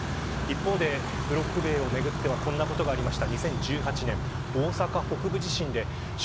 一方で、ブロック塀をめぐってはこんなことがありました。